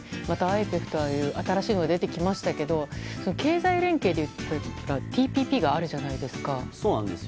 ＩＰＥＦという新しいものが出てきましたけど経済連携でいったらＴＰＰがあるじゃないですか。